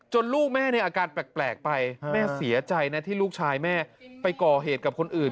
ลูกแม่ในอาการแปลกไปแม่เสียใจนะที่ลูกชายแม่ไปก่อเหตุกับคนอื่น